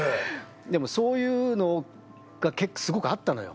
でもそういうのがすごくあったのよ。